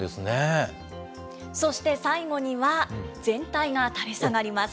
そして最後には、全体が垂れ下がります。